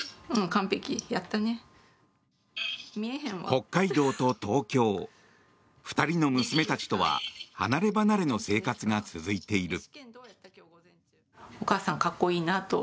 北海道と東京２人の娘たちとは離ればなれの生活が続いている。